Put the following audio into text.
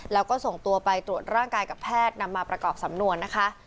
แล้วก็ส่งตัวไปตรวจร่างกายกับแพทย์นำมาประกอบสำนวนนะคะ